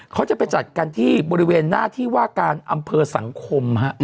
เขาจะไปจัดกันที่บริเวณหน้าที่ว่าการอำเภอสังคม